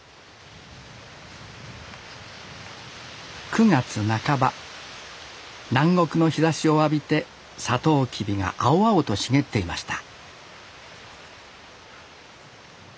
９月半ば南国の日ざしを浴びてサトウキビが青々と茂っていました